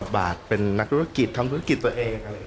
บาทเป็นนักธุรกิจทำธุรกิจตัวเอง